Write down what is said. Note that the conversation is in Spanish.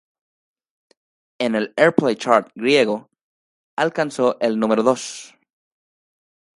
En el Airplay Chart griego, alcanzó el número dos.